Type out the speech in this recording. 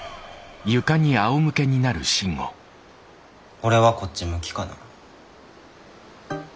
俺はこっち向きかな。